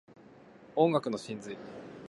音楽の真髄